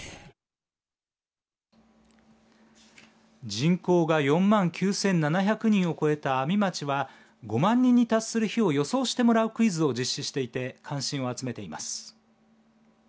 人口が４万９７００人を超えた阿見町は５万人に達する日を予想してもらうクイズを実施していて関心を集めています。